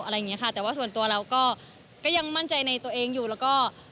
อะไรอย่างเงี้ค่ะแต่ว่าส่วนตัวเราก็ยังมั่นใจในตัวเองอยู่แล้วก็